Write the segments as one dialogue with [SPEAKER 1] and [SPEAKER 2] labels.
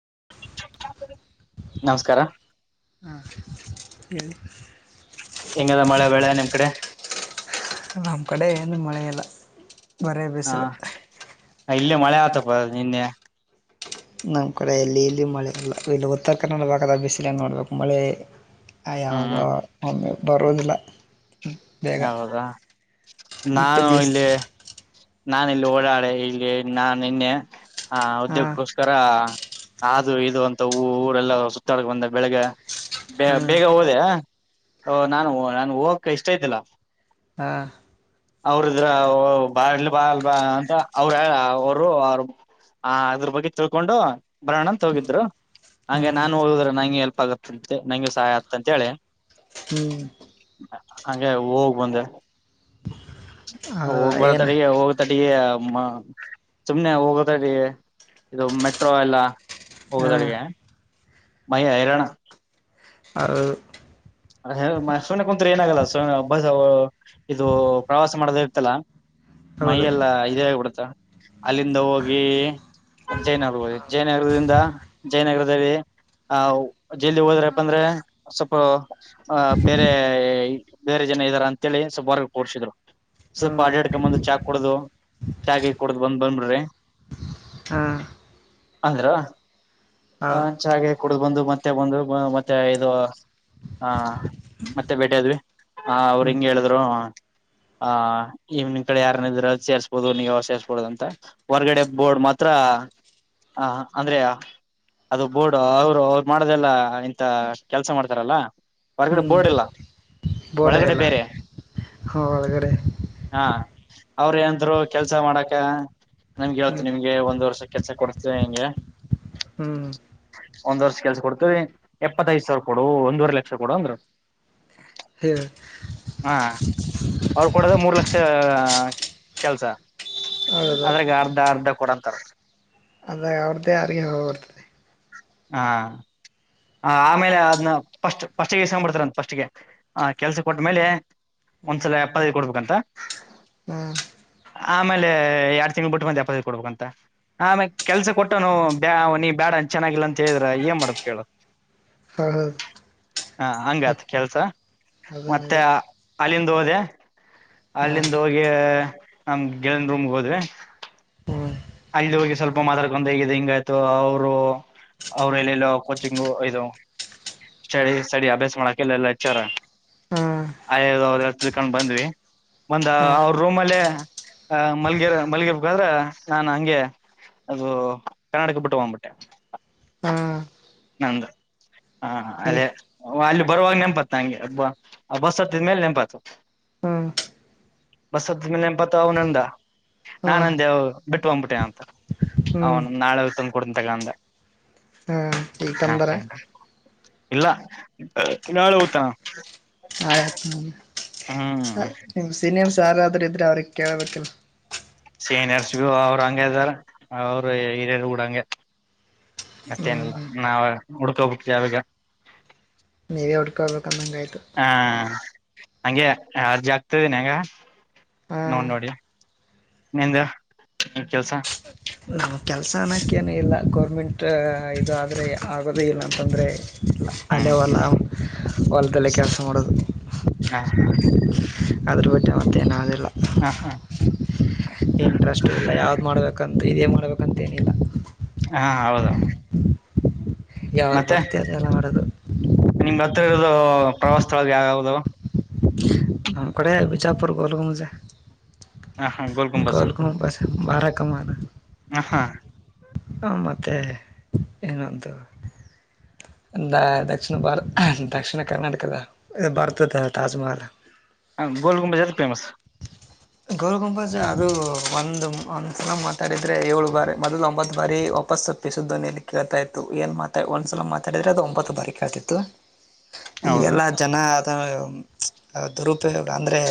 [SPEAKER 1] [unintelligible]
[SPEAKER 2] [unintelligible]
[SPEAKER 1] ನಮಸ್ಕಾರ
[SPEAKER 2] ಹಾ ಹೇಳಿ
[SPEAKER 1] ಹೆಂಗದ ಮಳೆ ಬೆಳೆ ನಿಮ್ಮ್ ಕಡೆ
[SPEAKER 2] [unintelligible] ಬರೆ ಬಿಸ್ಲು
[SPEAKER 1] ಇಲ್ಲೇ ಮಳೆ ಆತಪ ನಿನ್ನೆ
[SPEAKER 2] ನಮ್ಮ ಕಡೆ ಎಲ್ಲಿ ಇಲ್ಲಿ ಮಳೆ ಇರಲ್ಲ ಇಲ್ಲಿ ಉತ್ತರ ಕನ್ನಡ ಭಾಗದ ಬಿಸಿಲ ನೋಡ್ಬೇಕು ಮಳೆ ಆಯ
[SPEAKER 1] ಹ್ಮ್
[SPEAKER 2] ಹೌದ
[SPEAKER 1] ಹ್ಮ್
[SPEAKER 2] ಬರೋದಿಲ್ಲ ಬೇಗ
[SPEAKER 1] ಹೌದಾ
[SPEAKER 2] ಇಪ್ಪತ್ತು
[SPEAKER 1] ನಾನು
[SPEAKER 2] ದಿವಸ
[SPEAKER 1] ಇಲ್ಲಿ ನಾ ಇಲ್ಲಿ ಓಡಾಡೆ ಇಲ್ಲಿ ನಾನ್ ನಿನ್ನೆ ಹಾ
[SPEAKER 2] ಹಾಂ
[SPEAKER 1] ಉದ್ಯೋಗಕ್ಕೋಸ್ಕರ ಅದು ಇದು ಅಂತ ಹೂ ಊರೆಲ್ಲ ಸುತ್ತಾಡಕ ಬಂದ ಬೆಳಿಗ್ಗೆ ಬ
[SPEAKER 2] ಹಾಂ
[SPEAKER 1] ಬೇಗ ಹೋದೆ ಓ ನಾನು ನಾನು ಹೋಗಕ ಇಷ್ಟ ಇದಿಲ್ಲ
[SPEAKER 2] ಹಾ
[SPEAKER 1] ಅವ್ರ ಇದ್ರ ಬಾ ಬಾ ಬಾ ಅಂತ ಅವ್ರ ಅವರು ಅವ್ರ ಆ ಅದ್ರ ಬಗ್ಗೆ ತಿಳ್ಕೊಂಡು ಬರಣ ಅಂತ್ ಹೋಗಿದ್ರು ಹಂಗೆ
[SPEAKER 2] ಹ್ಞೂ
[SPEAKER 1] ನಾನ್ ಹೋಗುದ್ರ ನಂಗೆ ಎಲ್ [unintelligible] ನಂಗೆ ಸಹಾಯ ಆತಂತ ಹೇಳಿ
[SPEAKER 2] ಹ್ಮ್
[SPEAKER 1] ಹಾಗೆ ಹೋಗ್ ಬಂದೆ
[SPEAKER 2] ಹೌದಾ ಏನು
[SPEAKER 1] ಹೋಗ್ಬರ್ತಾರೆ ಹೋಗ್ತಾರೆ ಇ ಏ ಹ್ಮ್ ಸುಮ್ನೆ ಹೋಗದ ರೀ ಇದು ಮೆಟ್ರೋ ಎಲ್ಲ ಡಿ
[SPEAKER 2] ಹಾಂ
[SPEAKER 1] ಹೋಗದಾಗೀಗ ಮಹಿ ಹೈರಾಣ
[SPEAKER 2] ಹೌದು
[SPEAKER 1] ಸುಮ್ಮನೆ ಕುಂತ್ರೂ ಏನಾಗಲ್ಲ ಸ ಹಬ್ಬ ಇದು ಪ್ರವಾಸ ಮಾಡದ ಇರ್ತಲ್ಲ
[SPEAKER 2] ಹೌದು
[SPEAKER 1] ಮೈಯೆಲ್ಲಾ ಇದೇಗಬಡುತ್ತಾ ಅಲ್ಲಿಂದ ಹೋಗಿ ಜಯನಗರ ಹಿ ಜಯನಗರದಿಂದ ಜಯನಗರದಲ್ಲಿ ಆಹ ಹಾ ಯಾಕಂದ್ರೆ ಸ್ವಲ್ಪ ಆ ಬೇರೆ ಬೇರೆ ಜನ ಇದ್ದಾರ ಅಂತೇಳಿ ಸ್ವಲ್ಪ ಹೊರ್ಗ ಕೂಡ್ಸಿದ್ರು ಸ್ವಲ್ಪ
[SPEAKER 2] ಹಾಂ
[SPEAKER 1] ಅಡ್ ಅಡ್ಕ್ಯಾಂಡ್ ಬಂದು ಚಾ ಕುಡುದು ಚಾ ಗೀ ಕುಡ್ದ್ ಬಂದ್ ಬಂದ್ಬಿಡ್ರಿ
[SPEAKER 2] ಹಾಂ
[SPEAKER 1] ಅಂದ್ರ ಆ
[SPEAKER 2] ಹಾಂ
[SPEAKER 1] ಚಾಗೆ ಕುಡ್ದ್ ಬಂದು ಮತ್ತೆ ಬಂದು ಮತ್ತೆ ಇದು ಹ ಮತ್ತೆ ಬೇಟದ್ವಿ ಹ ಅವ್ರು
[SPEAKER 2] ಹ್ಞೂ
[SPEAKER 1] ಹಿಂಗ್ ಹೇಳಿದ್ರು ಆ ಈವ್ನಿಂಗ್ ಕಡೆ ಯಾರನ ಇದ್ರ ಅ ಸೇರ್ಸ್ಬೋದು ನೀವು ಸೇಸ್ಬೋದು ಅಂತ ಹೊರ್ಗಡೆ ಬೋರ್ಡ್ ಮಾತ್ರ ಹ ಅಂದ್ರೆ ಅದು ಬೋರ್ಡ್ ಅವರು ಅವರು ಮಾಡದೆಲ್ಲ ಇಂತ ಕೆಲ್ಸ ಮಾಡ್ತಾರಲ್ಲ ಹೊರಗಡೆ ಬೋರ್ಡ್ ಇಲ್ಲ.
[SPEAKER 2] ಬೋಡ
[SPEAKER 1] ಒಳಗಡೆ
[SPEAKER 2] ಎಲ್ಲ
[SPEAKER 1] ಬೇರೆ
[SPEAKER 2] ಹಾ ಒಳಗಡೆ
[SPEAKER 1] ಹಾ ಅವ್ರ ಏಂತರು ಕೆಲ್ಸ ಮಾಡಕ ನಮ್ಗೆ
[SPEAKER 2] ಹ್ಞೂ
[SPEAKER 1] ಯಾವತ್ತು ನಿಮ್ಗೆ ಒಂದ್ ವರ್ಷ ಕೆಲ್ಸ ಕೊಡ್ಸ್ತೀವಿ ಹೆಂಗೆ
[SPEAKER 2] ಹ್ಞೂ
[SPEAKER 1] ಒಂದ್ ವರ್ಷ ಕೆಲ್ಸ ಕೊಡ್ತವಿ ಎಪ್ಪತ್ತ ಐದ್ ಸಾವಿರ ಕೊಡು ಒಂದುವರ್ ಲಕ್ಷ ಕೊಡು ಅಂದ್ರ
[SPEAKER 2] ಹ್ಮ
[SPEAKER 1] ಹಾಂ ಅವ್ರ ಕೊಡದೆ ಮೂರ್ ಲಕ್ಷ ಕೆಲ್ಸ
[SPEAKER 2] ಹೌದು
[SPEAKER 1] ಅದ್ರಾಗ ಅರ್ಧ ಅರ್ಧ ಕೊಡಂತಾರ
[SPEAKER 2] ಅವ್ರ್ದೇ ಯಾರಿಗೆ ಹೋಗ್ಬರ್ತದೆ
[SPEAKER 1] ಹಾ ಹ ಆಮೇಲೆ ಅದ್ನ ಫಸ್ಟ್ ಫಸ್ಟ್ಗೆ ಈಸ್ೊಂಡ್ಬಡ್ತಾರಂತ ಫಸ್ಟ್ಗೆ ಆ ಕೆಲ್ಸ ಕೊಟ್ಟ್ಮೇಲೆ
[SPEAKER 2] ಹ್ಞೂ
[SPEAKER 1] ಒಂದ್ಸಲ ಎಪ್ಪತ್ತೈದು ಕೊಡ್ಬೇಕಂತ
[SPEAKER 2] ಹಾ
[SPEAKER 1] ಆಮೇಲೆ ಎರಡ್ ತಿಂಗಳ ಬಿಟ್ಟ ಮಂದ ಕೆಲಸ ಕೊಟ್ಟ ಮೇಲೆ ಎಪ್ಪತ್ತೈದು ಕೊಡ್ಬೇಕಂತ ಆಮೇ ಕೆಲ್ಸ ಕೊಟ್ಟನು ಬ ನೀ ಬ್ಯಾಡ ಚೆನ್ನಾಗಿಲ್ಲ ಅಂತ ಹೇಳಿದ್ರ ಏನ್ ಮಾಡ್ಬೇಕ ಹೇಳ
[SPEAKER 2] ಹ ಹ
[SPEAKER 1] ಹಾ ಹಂಗತ್ ಕೆಲ್ಸ ಮತ್ತೆ
[SPEAKER 2] ಅದನದ
[SPEAKER 1] ಅಲ್ಲಿಂದ ಹೋದೆ
[SPEAKER 2] ಹಾ
[SPEAKER 1] ಅಲ್ಲಿಂದ ಹೋಗಿ ನಮ ಗೆಳಯನ್ ರೂಮ್ಗೆ ಹೋದ್ವಿ
[SPEAKER 2] ಹ್ಮ್
[SPEAKER 1] ಅಲ್ಲಿಂದ್ ಹೋಗಿ ಸ್ವಲ್ಪ ಮಾತಾಡ್ಕೊಂಡ ಹಗ ಹಿಂಗ ಆಯ್ತು ಅವರು ಅವ್ರ ಎಲ್ಲಲ್ಲೋ ಕೋಚಿಂಗ ಇದು ಸ್ಟಡಿ ಸ್ಟಡಿ ಅಭ್ಯಾಸ ಮಾಡಕಲ್ಲ ಎಲ್ಲ ಹೆಚ್ಚಾರ
[SPEAKER 2] ಹಾ
[SPEAKER 1] ತಿಳ್ಕೊಂಡ್ ಬಂದ್ವಿ ಒಂದ
[SPEAKER 2] ಹಾ
[SPEAKER 1] ಅವ್ರ ರೂಮ್ ಅಲ್ಲೇ ಮಲ್ಗ ಮಲ್ಗಎರಬೇಕಾದ್ರ ನಾ ಕೇಳಿದ ಹಂಗೆ ಅದು ಕನ್ನಡ್ಕ ಬಿಟ್ಟು ಹೋಗ್ಬಿಟ್ಟೆ
[SPEAKER 2] ಹಾ
[SPEAKER 1] ನಂದ ಹ
[SPEAKER 2] ಈ
[SPEAKER 1] ಅದೇ ಅಲ್ಲಿ ಬರುವಾಗ ನೆಪತ್ ನಂಗೆ ಬಸ್ ಹತ್ತಿದ್ಮೇಲೆ ನೆಂಪತ್
[SPEAKER 2] ಹ್ಮ್
[SPEAKER 1] ಬಸ್ ಹತ್ತಿದ್ಮೇಲೆ ನೆಪತ್ತು ಅವನಂದ
[SPEAKER 2] ಹ್ಮ್
[SPEAKER 1] ನಾಾನಂದೇವ ಬಿಟ್ಟು ಬಂದ್ಬಿಟ್ಟೆ ಅಂತ
[SPEAKER 2] ಹ್ಮ್
[SPEAKER 1] ಅವನು ನಾಳೆ ತಂದುಕಡಂತಗಂದ
[SPEAKER 2] ಹಾ ಈಗ
[SPEAKER 1] ಹಾ
[SPEAKER 2] ತಂದಾರ
[SPEAKER 1] [unintelligible] ಇಲ್ಲ ನಾಳೆ ಹೋತಾನ.
[SPEAKER 2] ಆಯತ್ [unintelligible] ಯಾರಾದರು ಇದ್ರೆ ಅವ್ರಿಗ್ ಕೇಳ್ಬೇಕಲ್ಲ?
[SPEAKER 1] ಸೀನಿಯರ್ಸ್ಗು ಅವರು ಹಂಗ ಇದಾರ ಅವರು ಹಿರಿಯರು ಉಡಂಗೆ ಮತ್ತೇನಿಲ್ಲ
[SPEAKER 2] ಹ್ಮ್
[SPEAKER 1] ನಾವ್ ಹುಡ್ಕೊಂಬೇಕ್ ಇವಾಗ
[SPEAKER 2] ಡ [unintelligible] ತಂದಂಗಾಯ್ತು [unintelligible]
[SPEAKER 1] ಹಂಗೆ ಯಾರ್ ಜಾಗಗ್ತದಿನಿ ಹೆಂಗ
[SPEAKER 2] ಹಾ
[SPEAKER 1] ನೋ ನೋಡಿ ನಿಂದ ಕೆಲ್ಸ
[SPEAKER 2] ನಮ್ಮ ಕೆಲಸ ಅನ್ನೋಕ್ಕೇನು ಇಲ್ಲ ಗೌರ್ಮೆಂಟ್ ಇದು ಆದ್ರೆ ಆಗೋದೇ ಇಲ್ಲ ಅಂತಂದರೆ
[SPEAKER 1] ಹ್ಮ್
[SPEAKER 2] ಅಲ್ಲೇ ಹೊಲ ಹೊಲದಲ್ಲೇ ಕೆಲಸ ಮಾಡೋದು ಅದ್ರ ಬಟ್ಟ ಮತ್ತೇಏನಾದರು
[SPEAKER 1] ಹ ಹ
[SPEAKER 2] ಇಂಟ್ರೆಸ್ಟ್ ಇಲ್ಲ ಯಾವ್ದ್ ಮಾಡ್ಬೇಕು ತಂದು ಇದೇ ಮಾಡ್ಬೇಕಂತೇನಿಲ್ಲ
[SPEAKER 1] ಹಾ ಹೌದು
[SPEAKER 2] ಯಾವ್ದ್
[SPEAKER 1] ಮತ್ತೆ
[SPEAKER 2] ಬರ್ತಿ ಅದೆಲ್ಲ ಆಡೋದು
[SPEAKER 1] ನಿಮ್ದ ಹತ್ರ ಇರದು ಪ್ರವಾಸ ಸ್ಥಳ ಯಾವ್ ಯಾವದುದು
[SPEAKER 2] ನಮ್ ಕಡೆ ಬಿಜಾಪುರ್ ಗೋಲ್ ಗುಂಬಜ್
[SPEAKER 1] ಹ ಹಾ ಗೋಲ್ ಗುಂಬಜ
[SPEAKER 2] ಗಲ್ಕ ಪ ಭಾರಾ ಕಾಮಾವಲ್ಲ
[SPEAKER 1] ಹ ಹಾ
[SPEAKER 2] ಹ ಮತ್ತೆ ಇನೊಂದು ಅ ದಕ್ಷಿಣ ಭಾರತ್ ದಕ್ಷಿಣ ಕರ್ನಾಟಕದ ಭಾರತದ ತಾಜ್ಮಹಲ್
[SPEAKER 1] ಹಾ ಗೋಲ್ ಗುಂಬಜ್ ಎದಕ್ಕೆ ಫೇಮಸ್
[SPEAKER 2] ಗೋಲ್ ಗುಂಬಜ್ ಅದು ಒಂದು ಒಂದ್ಸಲ ಮಾತಾಡಿದ್ರೆ ಏಳು ಬಾರಿ ಮೊದಲು ಒಂಬತ್ತು ಬಾರಿ ವಾಪಸ್ಸುಪ್ಪಿಸುದ್ದನಲ್ಲಿ ಕೇಳ್ತಾ ಇತ್ತು ಏನ್ ಮಾತಾ ಒಂದ್ಸಲ ಮಾತಾಡಿದ್ರೆ ಅದು ಒಂಬತ್ತು ಬಾರಿ ಕೇಳ್ತಿತ್ತು
[SPEAKER 1] ಹೌದು
[SPEAKER 2] ಈಗೆಲ್ಲಾ ಜನ ದುರುಪಯೋಗ ಅಂದರೆ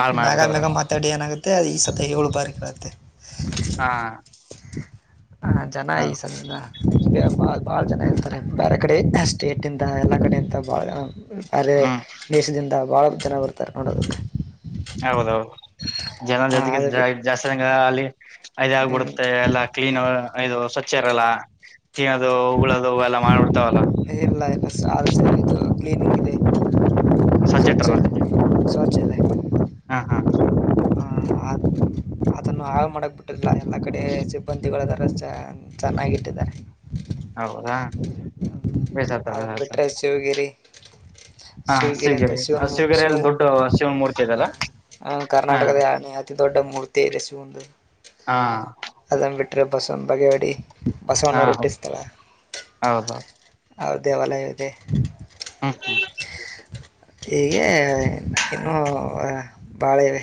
[SPEAKER 1] ಹಾಳ್
[SPEAKER 2] ಮ್ಯಾಗ
[SPEAKER 1] ಮಾಡ್ಬಿಟ್ಟದ್ರ
[SPEAKER 2] ಮ್ಯಾಗ ಮಾತಾಡಿ ಏನಾಗುತ್ತೆ ಅ ಅ ಈ ಸತಿ ಏಳು ಬಾರಿ ಕೇಳುತ್ತೆ
[SPEAKER 1] ಹಾ
[SPEAKER 2] ಹ ಜನ ಈ ಸಾಲಿನಿಂದ ಬಾಳ ಜನ ಇರ್ತಾರೆ ಬೇರೆ ಕಡೆ ಸ್ಟೇಟ್ ಇಂದ ಎಲ್ಲಾ ಕಡೆ ಇಂತ ಬಾಳ ಜನ ಅರೆ
[SPEAKER 1] ಹ್ಮ್
[SPEAKER 2] [inaudible] ಭಾಳ ಜನ ಬರ್ತಾರೆ ನೋಡೋದಕ್ಕೆ
[SPEAKER 1] ಹೌದೌದು ಜನ
[SPEAKER 2] ಹ
[SPEAKER 1] ಜೊತೆಗೆ
[SPEAKER 2] ಅದು ಬಿಟ್ಟ
[SPEAKER 1] ಜಾಸ್ತಿ ಅಲ್ಲಿ ಅದ್
[SPEAKER 2] ಹ್ಮ್
[SPEAKER 1] ಆಗ್ಬಿಡುತ್ತೆ ಎಲ್ಲಾ ಕ್ಲೀನ್ ಇದು ಚ್ಚರಲ್ಲ ತಿನ್ನೋದು ಹೂಗಳೋದು ಎಲ್ಲಾ ಮಾಡ್ಬಡ್ತಾವಲ್ಲ
[SPEAKER 2] ಹಲ್ಲ ಇಲ್ಲ ಸಾಲಸ ಕ್ಲನ್
[SPEAKER 1] ಸ್ವಚ್ಛ ಇಟ್ಟಾರ
[SPEAKER 2] ಸ್ವಚಲ್ಲ ಸ್ವಚಲ
[SPEAKER 1] ಹಾ ಹಾ
[SPEAKER 2] [inaudible] ಅದನ್ನು ಹಾಳೆ ಮಾಡಕ್ ಬಿಟ್ಟಿಲ್ಲ ಎಲ್ಲ ಕಡೆ ಸಿಬ್ಬಂದಿಗಳು ಇದಾರ ಚ ಚೆನ್ನಾಗಿಟ್ಟಿದ್ದಾರೆ
[SPEAKER 1] ಹೌದಾ ಬೇಸತ
[SPEAKER 2] ಅದನ್
[SPEAKER 1] ಬೇಸತ
[SPEAKER 2] ಬಿಟ್ರೆ ಶಿವಗಿರಿ
[SPEAKER 1] ಹಾ
[SPEAKER 2] ಶಿವಗಿರಿ ಅಂತ ಶಿವನ್ ಶ
[SPEAKER 1] ಶಿವಗಿರಿಯಲ್ಲಿ ದೊಡ್ಡ ಶಿವನ ಮೂರ್ತಿ ಇದೆಲ್ಲ ಹಾ
[SPEAKER 2] ಕರ್ನಾಟಕದ ಅತಿ ದೊಡ್ಡ ಮೂರ್ತಿ ಇದೆ ಶಿವನದ
[SPEAKER 1] ಹಾ
[SPEAKER 2] ಅದುನ್ ಬಿಟ್ರೆ ಬಸವನ್ ಬಾಗೆೇವಾಡಿ
[SPEAKER 1] ಹಾ
[SPEAKER 2] ಬಸವಣ್ಣ ರೊಟ್ಟಿಸ್ತಳ
[SPEAKER 1] ಹೌದು
[SPEAKER 2] ಅವು ದೇವಾಲಯ ಇದೆ
[SPEAKER 1] ಹ್ಮ್
[SPEAKER 2] ಹೀಗೆ ಇನ್ನುೂ ಬಾಳ ಇವೆ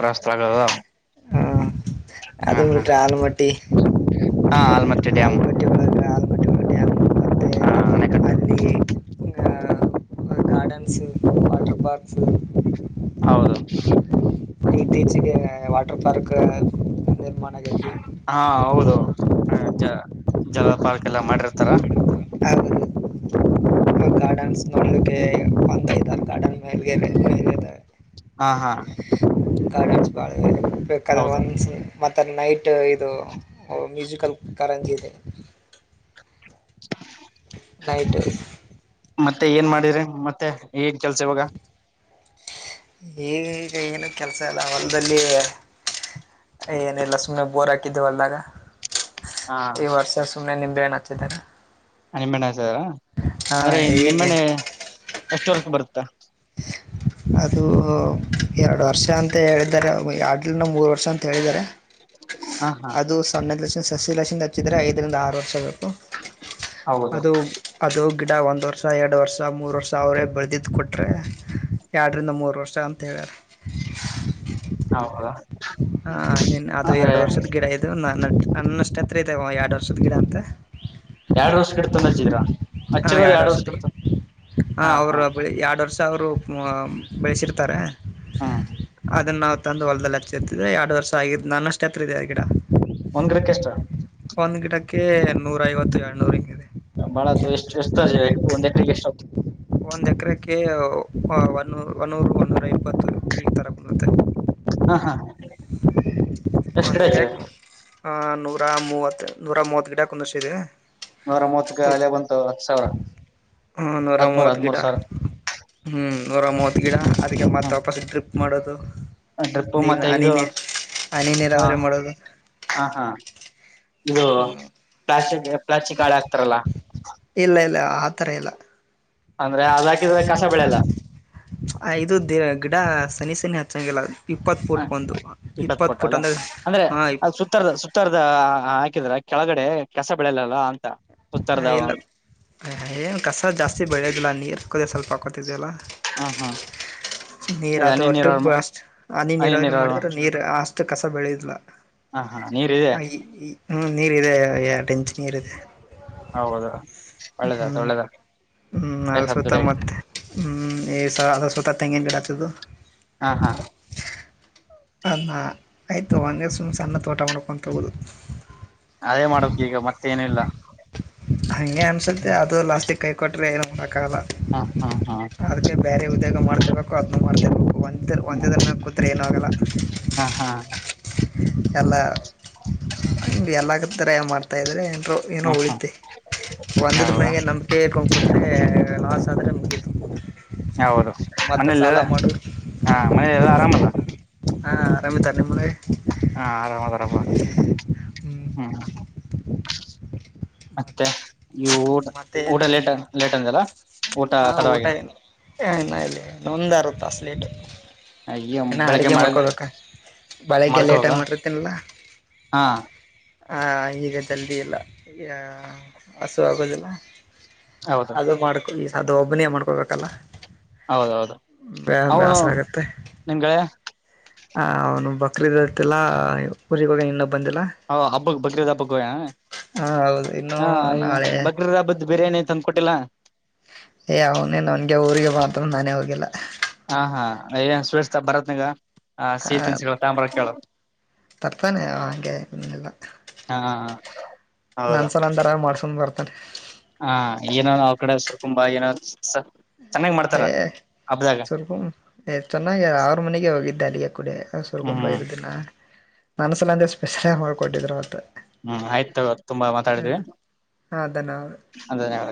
[SPEAKER 1] ಪ್ರಸ್ತ ಆಗದ
[SPEAKER 2] ಹ್ಮ್.
[SPEAKER 1] ಹಾ
[SPEAKER 2] ಅದು
[SPEAKER 1] ಹಾ ಹ
[SPEAKER 2] ಬಿಟ್ರೆ ಆಲಮಟ್ಟಿ
[SPEAKER 1] ಆಲಮತ್ತೆ ಡ್ಯಾಮ್
[SPEAKER 2] ಆಲಮಟ್ಟಿ ಒಳಗೆ ಆಲಮಟ್ಟಿ ಒಳಗೆ ಡ್ಯಾಮ್ ಮತ್ತೆ
[SPEAKER 1] ಹಾ ಅಣೆಕಟ್ಟು
[SPEAKER 2] ಅಲ್ಲಿ ಗಾರ್ಡನ್ಸು, ವಾಟ್ರು ಪಾರ್ಕ್ಸು
[SPEAKER 1] ಹೌದು
[SPEAKER 2] ಇತ್ತೀಚ್ಗೆ ವಾಟರ್ ಪಾರ್ಕು ನಿರ್ಮಾಣ ಆಗೈತಿ
[SPEAKER 1] ಹಾ ಹೌದು ಜ ಜಲ ಪಲ್ಕ ಎಲ್ಲ ಮಾಡಿರ್ತಾರ
[SPEAKER 2] ಹಾಗೂ ಗಾರ್ಡನ್ಸ್ ನೋಡ್ಲಿಕ್ಕೆ ಒಂದಐ್ತ ಗಾರ್ಡನ್ ಮೇಗೆ
[SPEAKER 1] ಹಾ ಹಾ
[SPEAKER 2] ಕಾರರಜ ಬೇಕ್
[SPEAKER 1] ಹೌದು
[SPEAKER 2] ಕದವನ್ಶಿಲೆ ಮತ್ತದು ನೈಟ್ ಇದು ಹು ಮ್ಯೂಸಿಕಲ್ ಕಾರಂಜಿ ಇದೆ. ನೈಟ್
[SPEAKER 1] ಮತ್ತೆ ಏನ್ ಮಾಡಿರಿ, ಮತ್ತೆ ಏನ್ ಕೆಲ್ಸ ಇವಾಗ?
[SPEAKER 2] ಈಗ ಏನು ಕೆಲಸ ಇಲ್ಲ, ವಲ್ದಲ್ಲಿ ಏನಿಲ್ಲ ಸುಮ್ನೆ ಬೋರ್ ಹಾಕಿದ್ದೆ ವಲ್ದಾಗ.
[SPEAKER 1] ಹಾ
[SPEAKER 2] ಈ ವರ್ಷ ಸುಮ್ನೆ ನಿ ಬಾನಚ್ಚಿದರ
[SPEAKER 1] ನಿಮ್ಮಣ್ಣಸರ, ಅಂದ್ರೆ
[SPEAKER 2] ಏನಿಲ್ಲ
[SPEAKER 1] ನಿಮ್ಮನೆ ಎಷ್ಟ ವರ್ಕ್ ಬರುತ್ತೆ
[SPEAKER 2] ಅದು ಎರಡು ವರ್ಷ ಅಂತ ಹೇಳಿದ್ದಾರೆ, [unintelligible] ಮೂರು ವರ್ಷ ಅಂತ ಹೇಳಿದ್ದಾರೆ
[SPEAKER 1] ಹಾ ಹಾ
[SPEAKER 2] ಅದು ಸಣ್ಣದ ಸಸ್ಯ ಲಕ್ಷಿ ಹಚ್ಚಿದ್ರೆ ಐದರಿಂದ ಆರು ವರ್ಷ ಬೇಕು
[SPEAKER 1] ಹೌದು
[SPEAKER 2] ಅದು ಅದು ಗಿಡ ಒಂದ್ ವರ್ಷ, ಎರಡ್ ವರ್ಷ ಮೂರು ವರ್ಷ ಅವರೇ ಬೆಳದಿದ್ದು ಕೊಟ್ರೆ, ಎರ್ಡರಿಂದ ಮೂರು ವರ್ಷ ಅಂತೇಳ್ಯಾರ
[SPEAKER 1] [unintelligible]
[SPEAKER 2] ಹಾ ನಿನ್ ಅದು
[SPEAKER 1] ಅಂದ್ರೆ
[SPEAKER 2] ಎರ್ಡು ವರ್ಷದ್ ಗಿಡ ಇದು ಅನ್ನ ಅನ್ನಷ್ಟ ಹತ್ರ ಐತೆ ಎರಡು ವರ್ಷದ ಗಿಡ ಅಂತ
[SPEAKER 1] ಎರಡ್ ವರ್ಷ ಕಡ್ತೊಂಡಚ್ಚಿದ್ರಾ
[SPEAKER 2] ಹಾ ಎರಡು ವರ್ಷದ ಹ
[SPEAKER 1] ಹಾ ಹಾ
[SPEAKER 2] ಅವರು ಬೆಳ ಎರಡು ವರ್ಷ ಅವರು ಬೆಳೆಸಿರ್ತಾರೆ. ತಾರ
[SPEAKER 1] ಹು
[SPEAKER 2] ಅದನ್ನ ನಾವು ತಂದು ಹೊಲಲ್ದಲ್ಲಿ ಹಚ್ಚಿತೆ ಎರಡು ವರ್ಷ ಆಗಿದ್ದು ನನ್ನಷ್ಟು ಯತ್ರ ಇದ್ದ ಆ ಗಿಡ
[SPEAKER 1] ಒಂದ್ರಕ್ಕೆ ಎಷ್ಟ
[SPEAKER 2] ಒಂದ್ ಗಿಡಕ್ಕೆ ನೂರ ಐವತ್ತು ಎರಡ್ ನೂರ ಇಂಗ್ ಇದೆ
[SPEAKER 1] ಬಹಳ ಆತು ಎಷ್ಟೇ ಎಷ್ಟದೆ ಒಂದ ಎಕ್ರಿಗೆ ಎಷ್ಟ ಆತು
[SPEAKER 2] ಒಂದು ಎಕರೆಕ್ಕೆ ಒೂ ಒನ್ನೂರು ಒನ್ನೂರ ಇಪ್ಪತ್ತು ಈ ಥರ ಬಿಳುತ್ತೆ
[SPEAKER 1] ಹಾ ಹಾ ಎಷ್ಟ್
[SPEAKER 2] ಅಂದ
[SPEAKER 1] ಗಿಡ ಹಚ್ಚಿರಿ
[SPEAKER 2] ಕ್ಯಾಕ್ ಆ ನೂರು ನೂರ ಮೂವತ್ ನೂರ ಮೂವತ್ ಗಿಡ ಕುಂದ್ರಿಸಿದಿವಿಯ್.
[SPEAKER 1] ನೂರ ಮೂವತ್ತಕ ಹಲೆ ಬಂತು ಹತ್ತು ಸಾವಿರ.
[SPEAKER 2] ಹ ನೂರ
[SPEAKER 1] ಹದ್ಮೂರ್
[SPEAKER 2] ಮೂವತ್ತು ಗಿಡ
[SPEAKER 1] ಹದ್ಮೂರ್ ಸಾವಿರ
[SPEAKER 2] ಹ್ಮ ನೂರ ಮೂವತ್ತು ಗಿಡ ಅದಕ್ಕೆ ಮತ್ತೆ ವಾಪಸ್ ಡ್ರಿಪ್ ಮಾಡೋದು
[SPEAKER 1] ಹ್ಮ್ ಡ್ರಿಪ್
[SPEAKER 2] ನೀರನ
[SPEAKER 1] ಮತ್ತೆ
[SPEAKER 2] ಹನಿ
[SPEAKER 1] ಇದು
[SPEAKER 2] ನೀರ್ ಹನಿ
[SPEAKER 1] ಹ
[SPEAKER 2] ನೀರಾವರಿ ಮಾಡೋದು.
[SPEAKER 1] ಹ ಹಾ ಇದು ಪ್ಲಾಸ್ಟಿಕ್ ಈಗ ಪ್ಲಾಸ್ಟಿಕ್ ಹಾಳೆ ಆಗ್ತಾರಲ್ಲ
[SPEAKER 2] ಇಲ್ಲ ಇಲ್ಲ ಆತರ ಇಲ್ಲ.
[SPEAKER 1] ಅಂದ್ರೆ ಅದ ಹಾಕಿದ್ರೆ ಕಸ ಬೆಳೆಯೆಲ್ಲಾ.
[SPEAKER 2] ಆ ಇದುದ ಗಿಡ ಸನಿ ಸನಿ ಹಚ್ಚಂಗಿಲ್ಲದ.
[SPEAKER 1] ಹ ಇಪ್ಪತ್ತ್ ಫೂಟ್ ಅಲ್ಲ
[SPEAKER 2] ಅಂದಾಗ
[SPEAKER 1] ಅಂದ್ರೆ
[SPEAKER 2] ಹಾ
[SPEAKER 1] ಅದ್ ಸುತ್ತರ್ದ ಸುತ್ತರ್ದ್ ಅ ಹಾಕಿದ್ರ ಕೆಳಗಡೆ ಕೆಸ ಬೆಳಯೆಲ್ಲ ಅಂತಾ.
[SPEAKER 2] ಹ ಇಲ್ಲ ಏನ್ ಕಸ ಜಾಸ್ತಿ ಬೆಳೆಯೋದಿಲ್ಲ ನೀರು ಹಕೋದ್ರೆ ಸ್ವಲ್ಪ ಗೊತ್ತಿದೆ ಅಲ್ಲಾ.
[SPEAKER 1] ಹಾ ಹಾ.
[SPEAKER 2] ನೀರ್ ಅದು ಡ್ರಿಫ್ ಅಷ್ಟ್ ಹನಿ ನೀರಾವ ಮಾಡಿದ್ರೆ ನೀರ್ ಅಷ್ಟ್ ಕಸ ಬೆಳೆಯೋದಿಲ್ಲಾ.
[SPEAKER 1] ಹಾ ಹಾ ನೀರ್ ಇದೆ
[SPEAKER 2] ಹ್ಮ ನೀರ್ ಇದೆ ಆ ಎರಡು ಇಂಚು ನೀರ್ ಇದೆ
[SPEAKER 1] ಹೌದು ಒಳ್ಳೆದತ ಒಳ್ಳೆದ
[SPEAKER 2] ಹ್ಮ್ ಅ ಸುತ್ತ ಮತ್ತೆ ಹ್ಮ್ ಹ್ಮ್ ಸ್ವ ಅದ ಸ್ವತ ತೆಂಗಿನ ಗಿಡ ಆತದು
[SPEAKER 1] ಹಾ ಹಾ
[SPEAKER 2] ಅನ್ನ ಆಯಿತು ಒಂದೇ ಸುಮ್ಮ್ನೆ ಸಣ್ಣ ತೋಟ ಮಾಡ್ಕೊ ತಗೋದು
[SPEAKER 1] ಅದೇ ಮಾಡಕ್ ಈಗ ಮತ್ತೆ ಏನಿಲ್ಲ
[SPEAKER 2] ಹಂಗೆ ಅನ್ಸತ್ತೆ ಅದು ಲಾಸ್ಟಿಕ್ ಕೈ ಕೊಟ್ಟರೆ ನ ಕಾಲದು ಅತ್
[SPEAKER 1] ಹಾ ಹಾ ಹಾ
[SPEAKER 2] ಅದಕ್ಕೆ ಬೇರೆ ಉದ್ಯೋಗ ಮಾಡ್ತಿರ್ಬೇಕು ಅದನ್ನು ಮಾಡ್ತಿರ್ಬೇಕು ಒಂದ್
[SPEAKER 1] ಹ್ಮ್
[SPEAKER 2] ಒಂದದನ್ನು ಕತ್ರಯಲಾಗ ಹ
[SPEAKER 1] ಹಾ ಹಾ
[SPEAKER 2] ಎಲ್ಲ ಎಲ್ಲ ಗ್ ತರ ಮಾಡ್ತಾ ಇದ್ರಾರೆ ಅ ಏನೋ
[SPEAKER 1] ಹ್ಮ್ ಹ್ಮ್
[SPEAKER 2] ಉಳಿದ್ದೆ ಒಂದದ ಮೇ
[SPEAKER 1] ಹೌದಾ
[SPEAKER 2] ನಂಬಿಕೆಕೊಂಡ್ ಕುೂುದ್ರೆ ಏ ಲಾಸ್ ಆದ್ರೆ ಮುಗಿತು
[SPEAKER 1] ಹೌದು ಮನೇೆಯಲ್ಲಿಲ್ಲ ಹಾ ಮನೇಲಿ ಎಲ್ಲ ಆರಾಮಲ್ಲ
[SPEAKER 2] ಹಾ ಆರಾಮಿತ ನಿಮ್ಗ್
[SPEAKER 1] ಹಾ ಆರಾಮ್ ಅದಾರಪ್ಪ
[SPEAKER 2] ಹ್ಞೂ
[SPEAKER 1] ಹ್ಮ್ ಮತ್ತೆ ಈ ಊಟ್
[SPEAKER 2] ಮತ್ತೆ
[SPEAKER 1] ಊಟ
[SPEAKER 2] ಏನು
[SPEAKER 1] ಲೇಟ್ ಲೇಟ್ ಅಂದಲ್ಲ ಊಟ
[SPEAKER 2] ಹಾ ಊಟ
[SPEAKER 1] ತಡವಾಗಿ
[SPEAKER 2] ಏನು ಇನ್ನ ಇಲ್ಲಿನ್ನೊಂದ್ರುತ್ತ ಅ ಸ್ಲೇಟ್
[SPEAKER 1] ಅಯ್ಯ
[SPEAKER 2] ದಿನ
[SPEAKER 1] ಬೆಳಿಗ್ಗೆ
[SPEAKER 2] ಅಡುಗೆ
[SPEAKER 1] ಮಳೆ
[SPEAKER 2] ಮಾಡ್ಕೊಳ್ಬೇಕ ಬಾಳಗ್ಗೆ
[SPEAKER 1] ಮಲ್ಕೋವಾಗ
[SPEAKER 2] ಲೇಟಾಗಿ ಮಾಡಿರ್ತೀನಿಲ್ಲ
[SPEAKER 1] ಹಾ
[SPEAKER 2] ಹ ಈಗ ಜಲ್ದಿ ಇಲ್ಲ ಹಸು ಆಗೋುದಿಲ್ಲ
[SPEAKER 1] ಹೌದು
[SPEAKER 2] ಅದು ಮಾಡ್ಕೊ ಇಸ್ ಅದು ಒಬ್ಬಿನಯ ಮಾಡ್ೊಬೇಕಲ್ಲ
[SPEAKER 1] ಹೌದೌದು
[SPEAKER 2] ಬ
[SPEAKER 1] ಅವನು
[SPEAKER 2] ಬ್ಯಾಸರಗತ್ತೆ
[SPEAKER 1] ನಿಮ್ ಗೆಳೆಯ
[SPEAKER 2] ಆ ಅವನು ಬ ಕ್ರತೋಗ ಇನ್ನ
[SPEAKER 1] ಹ ಹಬ್ಬಕ್ ಬಕ್ರೀದ್ ಹಬ್ಬಕ್ಕೆ ಹಣ
[SPEAKER 2] ಹ ಹೌದು ಇನ್ನು
[SPEAKER 1] ಹ
[SPEAKER 2] ನಾಳೆ
[SPEAKER 1] ಬಕ್ರೀದ್ ಹಬ್ಬದ ಬಿರಿಯಾನಿ ತಂದಕೊಟ್ಟಿಲ್ಲ
[SPEAKER 2] ಏ ಅವನೇ ನನ್ಗೆ ಊರಿಗೆ ಮಾತ್ರ ನಾನೇ ಹೋಗಿಲ್ಲ
[SPEAKER 1] ಹಾ ಹಾ ಏನ್ ಸವೇರ್ತ ಬರತ್ನಗ
[SPEAKER 2] ಹ ತರ್ತಾನೆ ಹಾಗೆ ಇನ್ನಲ್ಲ
[SPEAKER 1] ಹಾ
[SPEAKER 2] ನನ್ಸ ನ ದರ ಮಾಡ್ಸೊಂಡ್ ಬರ್ತ್ ಹ
[SPEAKER 1] ಹ ಏನೋ ಅವ್ ಕಡೆಸರು ಕುುಂಬಾ ಏನೋ ಚೆನ್ನಾಗ್ ಮಾಡ್ತಾರ
[SPEAKER 2] ಏ
[SPEAKER 1] ಹಬ್ದಾಗ
[SPEAKER 2] ಸ್ವಲ್ಪ ಚೆನ್ನಾಗಿ ಆರು ಮನೆಗೆ ಹೋಗಿದ ಾಲಿಯುಡೆ ಸೊರ್ಗೊ
[SPEAKER 1] ಹ್ಮ್
[SPEAKER 2] ಬಾಯಿ ದಿನ ಮನಸಲ ಅಂದೆ ಸ್ಪೆಷಲ್ ಆಾಗಿ ಮಾಡ್ಕೊಟ್ಟಿದ್ರುವತ್
[SPEAKER 1] ಹ್ಮ್ ಆಯ್ತು ತುಂಬಾ ಮಾತಾಡಿದ್ವಿ
[SPEAKER 2] ಹಾ ಅದನ್ನ
[SPEAKER 1] ಅಂದ್ರೆ ಅ